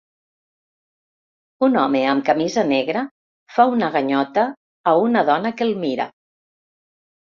Un home amb camisa negra fa una ganyota a una dona que el mira.